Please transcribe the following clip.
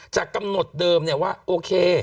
จากกำหนดเดิมว่าโอเค